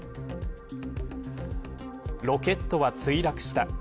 ロケットは墜落した。